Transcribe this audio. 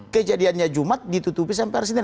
kejadiannya jumat ditutupi sampai hari senin